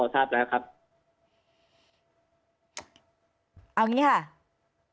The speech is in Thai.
ใช่ครับพอทราบแล้วครับ